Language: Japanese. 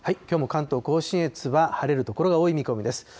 きょうも関東甲信越は晴れる所が多い見込みです。